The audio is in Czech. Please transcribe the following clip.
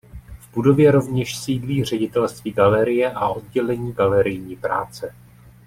V budově rovněž sídlí ředitelství galerie a oddělení galerijní práce.